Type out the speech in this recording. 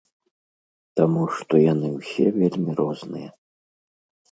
Таму што яны ўсе вельмі розныя.